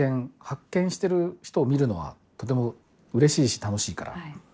発見している人を見るのはとてもうれしいし、楽しいから。